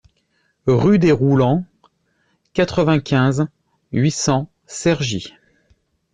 Rue des Roulants, quatre-vingt-quinze, huit cents Cergy